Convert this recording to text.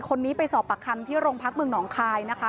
คนนี้ไปสอบปากคำที่โรงพักเมืองหนองคายนะคะ